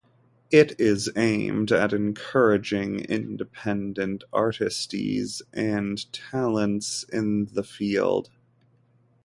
It is aimed at encouraging independent artistes and talents in the field.